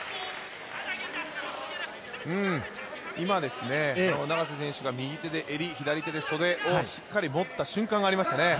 うん、今ですね、永瀬選手が、右手で襟、左手で袖をしっかり持った瞬間がありましたね。